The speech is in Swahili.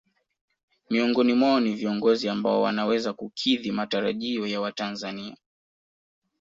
Miongoni mwao ni viongozi ambao wanaweza kukidhi matarajio ya watanzania